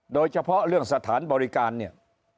โดยเฉพาะเรื่องสถานบริการเนี่ย